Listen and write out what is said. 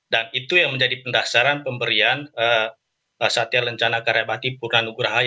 dan itu yang menjadi pendasaran pemberian satya lancana karya bakti purna nugur haidus